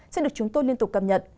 sẽ được chúng tôi liên tục cập nhật